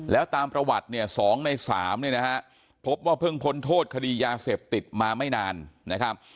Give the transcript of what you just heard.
แล้วตามประวัติเนี่ย๒ใน๓เนี่ยนะฮะพบว่าเพิ่งพ้นโทษคดียาเสพติดมาไม่นานนะครับ